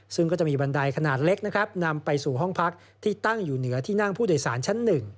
ซึ่งก็จะมีบันไดขนาดเล็กนะครับนำไปสู่ห้องพักที่ตั้งอยู่เหนือที่นั่งผู้โดยสารชั้น๑